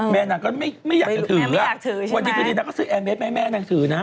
แม่นางก็ไม่อยากจะถือไม่อยากถือใช่ไหมวันดีคือดีนางก็ซื้อแอร์เมฟไม่ให้แม่นางถือนะ